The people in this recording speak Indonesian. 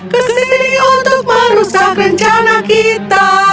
kesini untuk merusak rencana kita